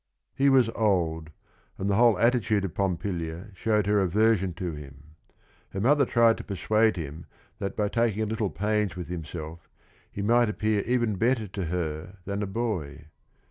7 He was old, and the whole attitude of Pompilia showed her aversion to him. Her mother tried to persuade him that by taking a litde pains with himself he might appear even better to her than a boy.